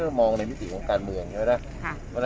มองในมิติของการเมืองใช่ไหม